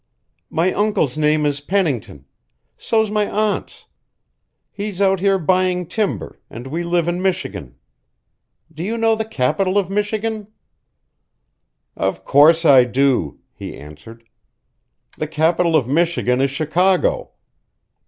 My uncle's name is Pennington. So's my aunt's. He's out here buying timber, and we live in Michigan. Do you know the capital of Michigan?" "Of course I do," he answered. "The capital of Michigan is Chicago."